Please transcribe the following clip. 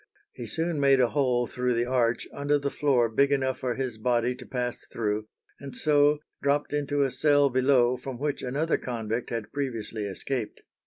He soon made a hole through the arch under the floor big enough for his body to pass through, and so dropped into a cell below from which another convict had previously escaped.